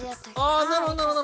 あなるほどなるほど！